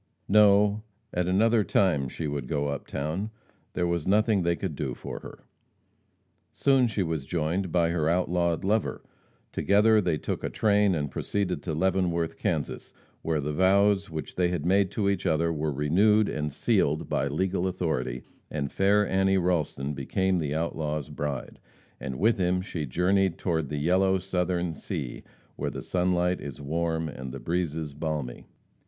No, at another time she would go up town, there was nothing they could do for her. Soon she was joined by her outlawed lover. Together they took a train and proceeded to Leavenworth, Kansas, where the vows which they had made to each other were renewed and sealed by legal authority, and fair Annie Ralston became the outlaw's bride, and with him she journeyed toward the yellow Southern sea, where the sunlight is warm and the breezes balmy.